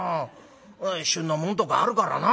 旬のもんとかあるからな。